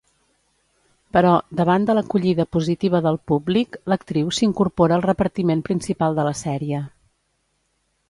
Però, davant de l'acollida positiva del públic, l'actriu s’incorpora al repartiment principal de la sèrie.